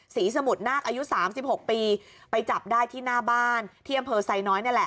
ศรีสมุดนาคอายุ๓๖ปีไปจับได้ที่หน้าบ้านที่เยี่ยมพิษัยน้อยเนี่ยแหละ